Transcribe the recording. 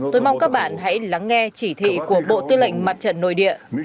tôi mong các bạn hãy lắng nghe chỉ thị của bộ tư lệnh mặt trận nội địa